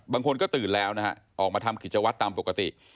บางคนก็ตื่นแล้วนะฮะออกมาทำกิจวัตรตามปกติ